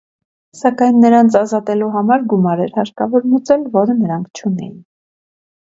Սակայն նրանց ազատելու համար գումար էր հարկավոր մուծել, որը նրանք չունեին։